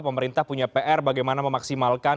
pemerintah punya pr bagaimana memaksimalkan